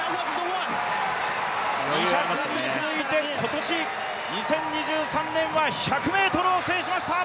２００に続いて今年２０２３年は１００ｍを制しました。